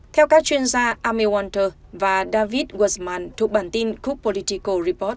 theo các chuyên gia amir walter và david guzman thuộc bản tin cook political report